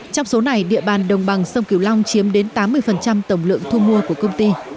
trong số này địa bàn đồng bằng sông cửu long chiếm đến tám mươi tổng lượng thu mua của công ty